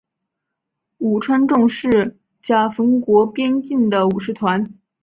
武川众是甲斐国边境的武士团。